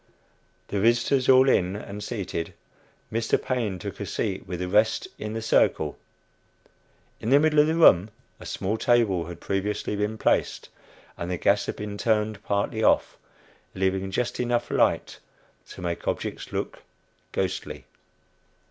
The visitors all in and seated, Mr. Paine took a seat with the rest in the "circle." In the middle of the room a small table had previously been placed, and the gas had been turned partly off, leaving just enough light to make objects look ghostly.